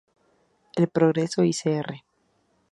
El Progreso y Cr.